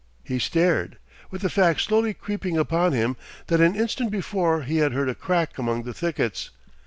He stared, with the fact slowly creeping upon him that an instant before he had heard a crack among the thickets.